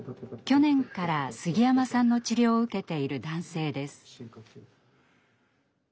去年から杉山さんの治療を受けている男性です。